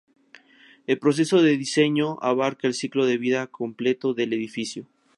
El proceso de diseño abarca el ciclo de vida completo del edificio.